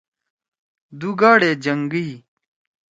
دُو گاڑے جنگیئی۔